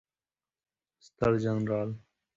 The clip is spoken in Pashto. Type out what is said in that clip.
ستر جنرال